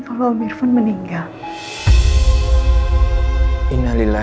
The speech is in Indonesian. kalau mirvan meninggal